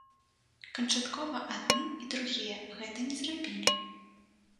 Канчаткова адны і другія гэта не зрабілі.